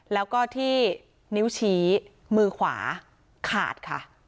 แล้วก็ที่นิ้วชี้มือขวาขาดค่ะ